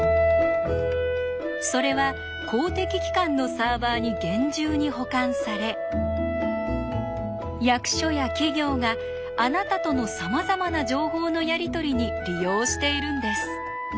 それは公的機関のサーバーに厳重に保管され役所や企業があなたとのさまざまな情報のやり取りに利用しているんです。